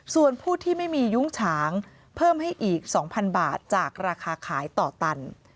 ส่วนผู้ที่ไม่มียุ้งฉางเพิ่มให้อีก๒๐๐บาทจากราคาขายต่อตัน